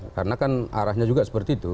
karena kan arahnya juga seperti itu